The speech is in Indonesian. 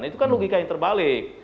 itu kan logika yang terbalik